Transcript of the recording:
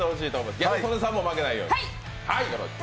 ギャル曽根さんも負けないように。